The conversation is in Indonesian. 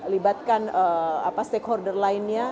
libatkan stakeholder lainnya